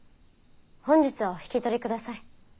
本日はお引き取りください。